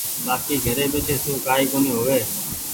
بآڪي گھري ٻيٺي سون ڪآئي ڪونيٚ هووي۔